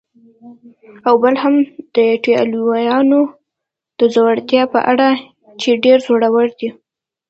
او بل هم د ایټالویانو د زړورتیا په اړه چې ډېر زړور دي.